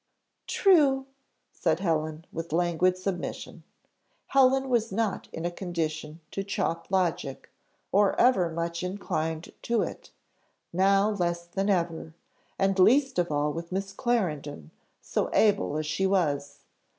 "True," said Helen, with languid submission. Helen was not in a condition to chop logic, or ever much inclined to it; now less than ever, and least of all with Miss Clarendon, so able as she was.